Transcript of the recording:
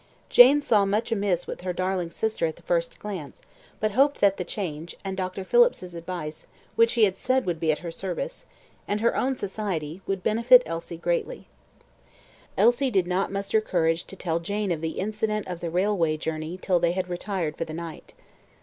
Jane saw much amiss with her darling sister at the first glance, but hoped that the change, and Dr. Phillips's advice, which he had said would be at her service, and her own society, would benefit Elsie greatly. Elsie did not muster courage to tell Jane of the incident of the railway journey till they had retired for the night.